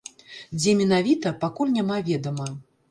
Дзе менавіта, пакуль няма ведама.